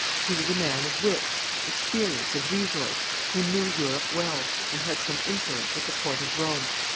He was a man of wits, experience, and resource, who knew Europe well and had some influence at the court of Rome.